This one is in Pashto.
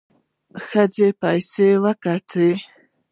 ښځې پسې وکتل.